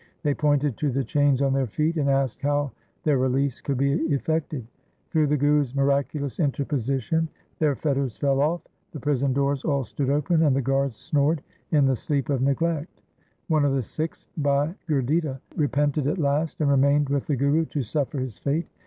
They pointed to the chains on their feet, and asked how their release could be effected ? Through the Guru's miraculous interposition their fetters fell off, the prison doors all stood open, and the guards snored in the sleep of neglect. 1 One of the Sikhs, Bhai Gurditta, repented at last and remained with the Guru to suffer his fate.